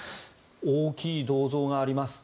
大きい銅像があります。